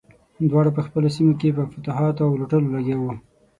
دواړه په خپلو سیمو کې په فتوحاتو او لوټلو لګیا وو.